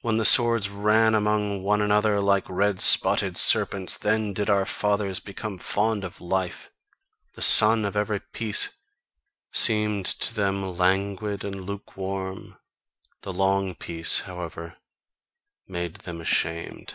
When the swords ran among one another like red spotted serpents, then did our fathers become fond of life; the sun of every peace seemed to them languid and lukewarm, the long peace, however, made them ashamed.